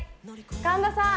神田さん！